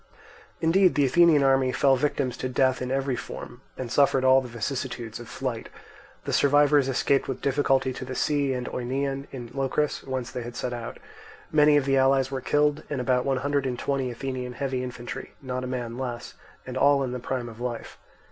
Indeed the Athenian army fell victims to death in every form, and suffered all the vicissitudes of flight; the survivors escaped with difficulty to the sea and Oeneon in Locris, whence they had set out. Many of the allies were killed, and about one hundred and twenty Athenian heavy infantry, not a man less, and all in the prime of life.